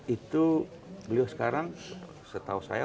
itu beliau sekarang setahu saya